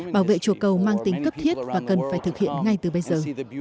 bảo vệ chùa cầu mang tính cấp thiết và cần phải thực hiện ngay từ bây giờ